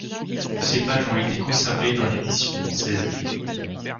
Ces pages ont été conservées dans l'édition française.